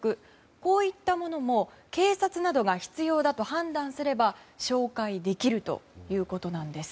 こういったものも警察などが必要だと判断すれば照会できるということなんです。